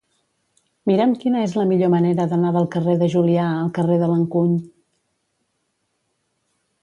Mira'm quina és la millor manera d'anar del carrer de Julià al carrer de l'Encuny.